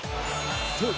［そう！